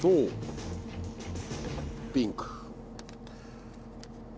ピンク。